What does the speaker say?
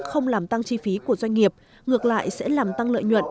không làm tăng chi phí của doanh nghiệp ngược lại sẽ làm tăng lợi nhuận